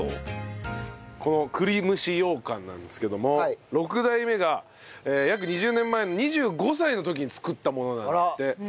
この栗蒸しようかんなんですけども六代目が約２０年前の２５歳の時に作ったものなんですって。